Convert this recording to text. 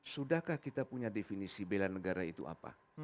sudahkah kita punya definisi bela negara itu apa